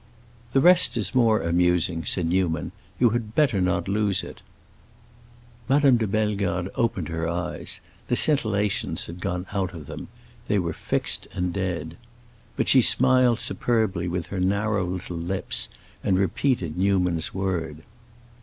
"The rest is more amusing," said Newman. "You had better not lose it." Madame de Bellegarde opened her eyes; the scintillations had gone out of them; they were fixed and dead. But she smiled superbly with her narrow little lips, and repeated Newman's word.